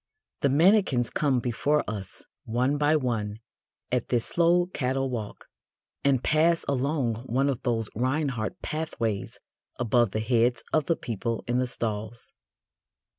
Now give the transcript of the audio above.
The mannequins come before us one by one at this slow cattle walk, and pass along one of those Reinhardt pathways above the heads of the people in the stalls.